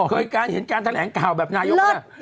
เคยระดายเห็นการแถลงค่าแบบนายก